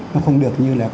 nó không được như là